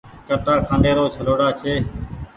ڪٽآ کآنڊي رو ڇلوڙآ چي۔